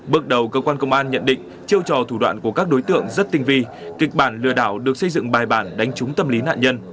bước đầu cơ quan công an nhận định chiêu trò thủ đoạn của các đối tượng rất tinh vi kịch bản lừa đảo được xây dựng bài bản đánh trúng tâm lý nạn nhân